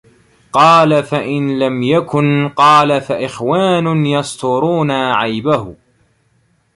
قَالَ فَإِنْ لَمْ يَكُنْ ؟ قَالَ فَإِخْوَانٌ يَسْتُرُونَ عَيْبَهُ